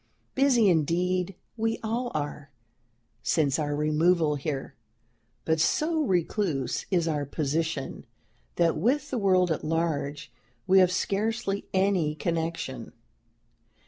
Busy indeed we all are, since our removal here; but so recluse is our position, that with the world at large we have scarcely any connection.